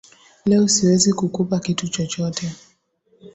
Leo Siwezi kukupa kitu chochote